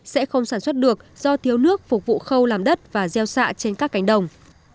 sẽ không sản xuất được do thiếu nước phục vụ khâu làm đất và gieo xạ trên các cánh đồng